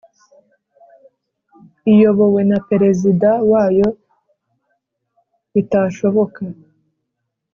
iyobowe na Perezida wayo bitashoboka